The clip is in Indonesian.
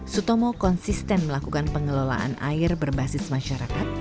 sutomo konsisten melakukan pengelolaan air berbasis masyarakat